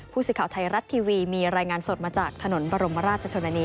ผู้สื่อข่าวไทยรัฐทีวีมีรายงานสดมาจากถนนบรมราชชนนานี